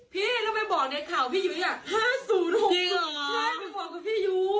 พี่แล้วไปบอกในข่าวพี่ยูนี่